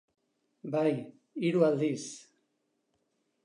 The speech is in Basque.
Bai, hiru aldiz.